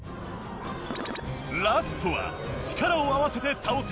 ラストは力を合わせて倒せ！